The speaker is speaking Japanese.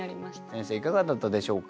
先生いかがだったでしょうか？